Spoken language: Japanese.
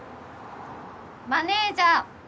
マネージャー。